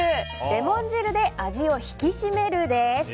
レモン汁で味を引き締める！です。